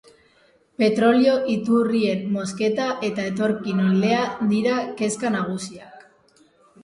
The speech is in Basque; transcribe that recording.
Petrolio iturrien mozketa eta etorkin oldea dira kezka nagusiak.